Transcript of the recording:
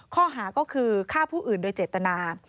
ข้อหาก็คือฆ่าผู้อื่นโดยเจตนา